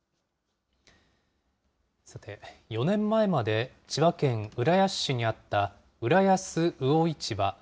さて、４年前まで千葉県浦安市にあった、浦安魚市場。